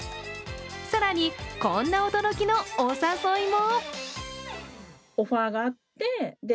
更に、こんな驚きのお誘いも。